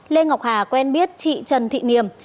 lê ngọc hà quen biết chị trần thị niềm